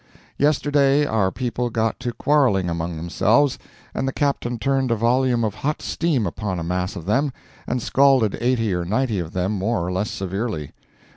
Yesterday our people got to quarrelling among themselves, and the captain turned a volume of hot steam upon a mass of them and scalded eighty or ninety of them more or less severely.